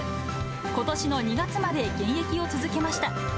ことしの２月まで現役を続けました。